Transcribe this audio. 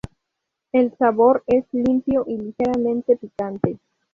El sabor es limpio y ligeramente picante.